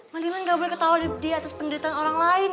mang limang gak boleh ketawa diatas penderitaan orang lain